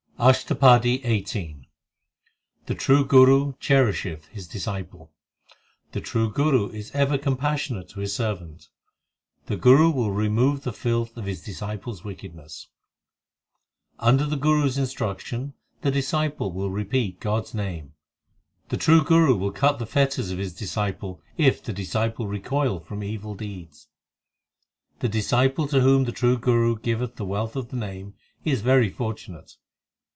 ASHTAPADI XVIII i The true Guru cherisheth his disciple, The true Guru is ever compassionate to his servant, The Guru will remove the filth of his disciple s wicked ness Under the Guru s instruction the disciple will repeat God s name The true Guru will cut the fetters of his disciple, If the disciple recoil from evil deeds. The disciple to whom the true Guru giveth the wealth of the Name, Is very fortunate.